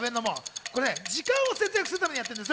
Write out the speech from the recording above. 時間を節約するためにやってるんです。